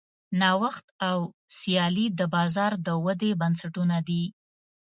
نوښت او سیالي د بازار د ودې بنسټونه دي.